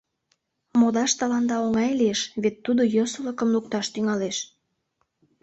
— Модаш тыланда оҥай лиеш, вет тудо йӧсылыкым лукташ тӱҥалеш.